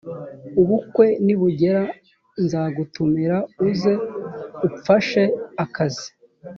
ubukwe nibugera nzagutumira uze upfashe akazi